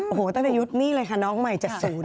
โอ้โหตั้งแต่ยุคนี่เลยค่ะน้องใหม่จัดศูนย์